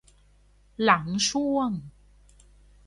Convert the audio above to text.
หลังช่วง